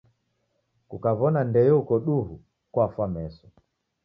Kukaw'ona ndeyo uko duhu kwafwa meso.